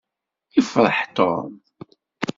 Yefṛeḥ Tom.